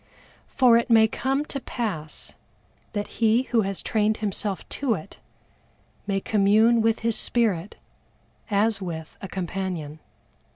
For it may come to pass that he who has trained himself to it, may commune with his spirit as with a companion.